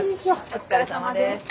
お疲れさまです。